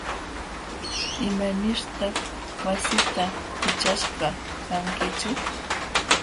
¿Imanirtaq wasita pichashqa kankitsu?